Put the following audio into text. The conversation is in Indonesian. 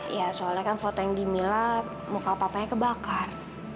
ya soalnya kan foto yang di mila muka papanya kebakar